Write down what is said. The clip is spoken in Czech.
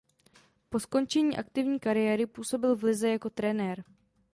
Po skončení aktivní kariéry působil v lize jako trenér.